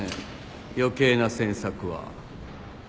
余計な詮索は。